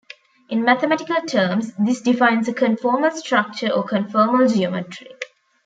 In mathematical terms, this defines a conformal structure or conformal geometry.